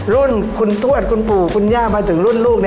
รุ่นคุณธวรรค์คุณปู่คุณย่างมาถึงรุ่นลูก